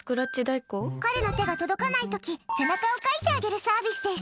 手が届かない時背中をかいてあげるサービスです。